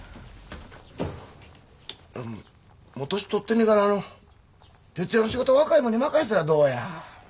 もう年とってんねんからあの徹夜の仕事は若いもんに任せたらどうや。